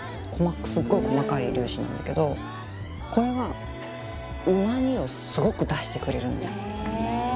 すごい細かい粒子なんだけどこれがうま味をすごく出してくれるの。